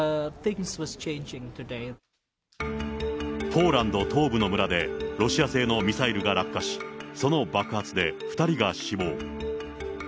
ポーランド東部の村で、ロシア製のミサイルが落下し、その爆発で２人が死亡。